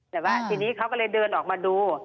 แต่ว่าทีนี้เขาก็เลยเดินออกมาดู